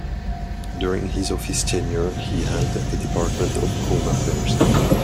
During his office tenure he held the Department of Home Affairs.